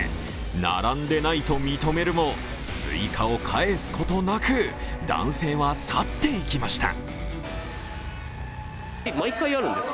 並んでないと認めるも、すいかを返すことなく男性は去っていきました。